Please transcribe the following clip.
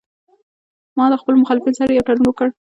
ما له خپلو مخالفینو سره یو تړون وکړ